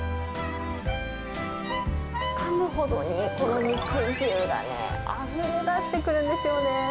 かむほどにこの肉汁がね、あふれ出してくるんですよね。